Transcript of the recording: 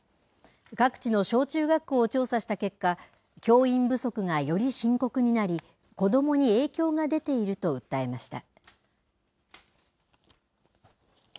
各地の小中学校を調査した結果、教員不足がより深刻になり、子どもに影響が出ていると訴えました。